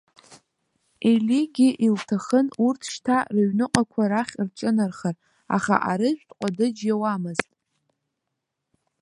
Елигьы илҭахын урҭ шьҭа рыҩныҟақәа рахь рҿынархар, аха арыжәтә ҟадыџь иауамызт.